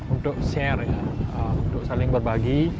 untuk share untuk saling berbagi